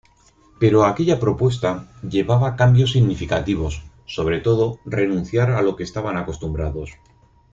Pero aquella propuesta llevaba cambios significativos, sobre todo renunciar a lo que estaban acostumbrados.